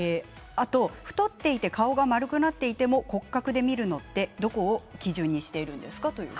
太っていて顔が丸くなっていても骨格で見るのはどこを基準にするんですか。